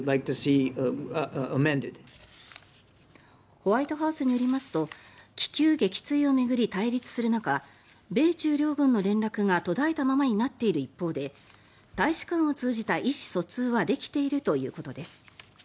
ホワイトハウスによりますと気球撃墜を巡り、対立する中米中両軍の連絡が途絶えたままになっている一方で大使館を通じた意思疎通はできているということです。